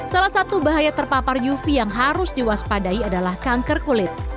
salah satu bahaya terpapar uv yang harus diwaspadai adalah kanker kulit